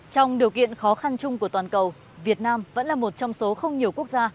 trong điều kiện khó khăn chung của toàn cầu việt nam vẫn là một trong số không nhiều quốc gia